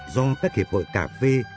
do các hiệp hội cà phê